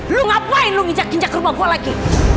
lu ngapain lu nginjak ginjak ke rumah gua lagi